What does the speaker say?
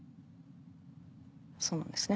そうなんですね。